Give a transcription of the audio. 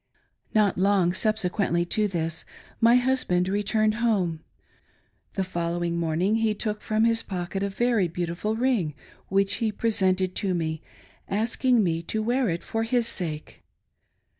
Not long subsequently to this, my husband returned home. The following morning he took from his pocket a very beauti ful ring which he presented to me, asking me to wear it for his sake.